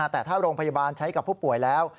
แต่ถ้าโรงพยาบาลใช้กับผู้ป่วยแล้ว